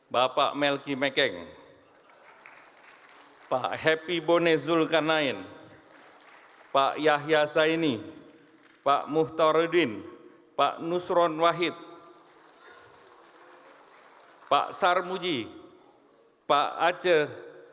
bapak melki mekeng pak happy bonezulkanain pak yahya zaini pak muhtarudin pak nusron wahid pak sarmuji pak aceh